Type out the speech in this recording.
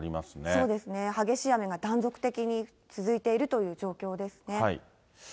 そうですね、激しい雨が断続的に続いているという状況ですね。